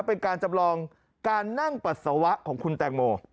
เป็นการจำลองการนั่งปัสสาวะของคุณแตงโม